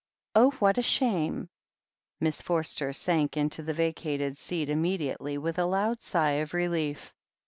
"Oh, what a shame !" Miss Forster sank into the vacated seat immedi ately, with a loud sigh of relief.